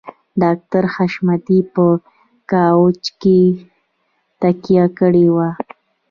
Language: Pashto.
ډاکټر حشمتي په کاوچ کې تکيه کړې وه